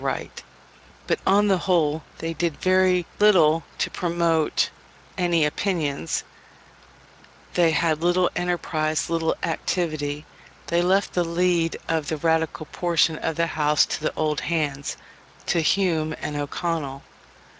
But on the whole they did very little to promote any opinions; they had little enterprise, little activity: they left the lead of the Radical portion of the House to the old hands, to Hume and O'Connell.